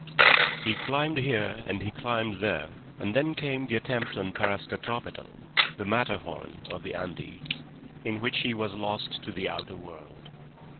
He climbed here and he climbed there, and then came the attempt on Parascotopetl, the Matterhorn of the Andes, in which he was lost to the outer world.